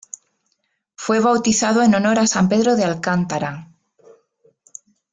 Fue bautizado en honor a San Pedro de Alcántara.